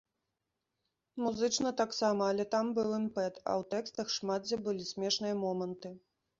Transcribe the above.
Музычна таксама, але там быў імпэт, а ў тэкстах шмат дзе былі смешныя моманты.